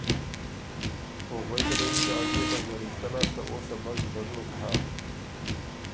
او غوېکه له یِن که از يې خه زرِکتۀ لاسته او سبق زدۀ دوک هۀ۔